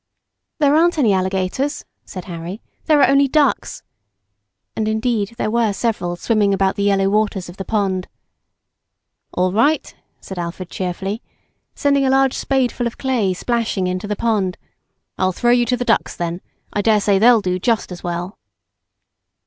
"There aren't any alligators," said Harry, "there are only ducks," and indeed, there were several swimming about the yellow waters of the pond. "All right," said Alfred cheerfully, sending a large spadeful of clay splashing into the pond, "I'll throw you to the ducks then, I daresay they'll do just as well."